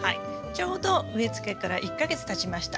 ちょうど植えつけから１か月たちました。